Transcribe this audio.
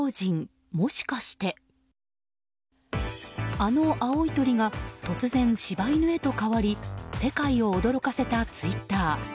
あの青い鳥が突然、柴犬へと変わり世界を驚かせたツイッター。